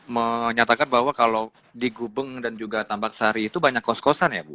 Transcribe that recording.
menyatakan bahwa kalau di gubeng dan juga tambak sari itu banyak kos kosan ya bu